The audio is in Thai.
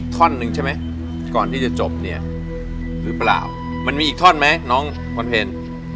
ทุ่งกระโจมทองไงมีต้องใจ